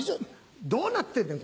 どうなってんねん